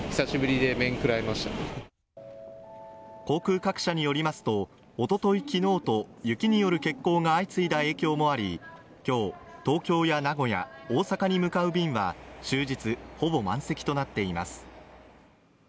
航空各社によりますと、おととい昨日と雪による欠航が相次いだ影響もあり、今日、東京や名古屋、大阪に向かう便は終日ほぼ満席となっています。